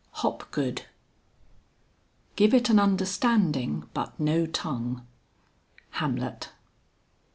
HOPGOOD. "Give it an understanding but no tongue." HAMLET.